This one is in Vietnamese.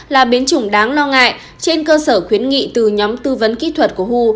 là biến chủng đáng lo ngại trên cơ sở khuyến nghị từ nhóm tư vấn kỹ thuật của hu